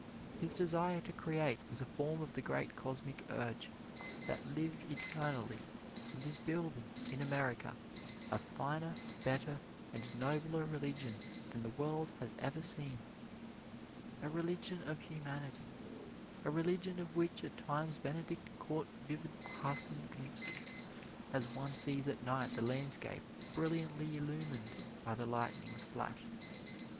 His desire to create was a form of the great Cosmic Urge, that lives eternally and is building in America a finer, better and nobler religion than the world has ever seen a Religion of Humanity a religion of which at times Benedict caught vivid passing glimpses, as one sees at night the landscape brilliantly illumined by the lightning's flash.